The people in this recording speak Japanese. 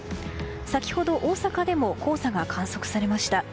先ほど大阪でも黄砂が観測されました。